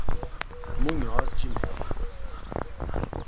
Munhoz de Mello